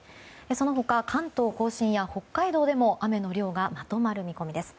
その他、関東・甲信や北海道でも雨の量がまとまる見込みです。